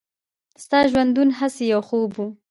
«ستا ژوندون هسې یو خوب و.»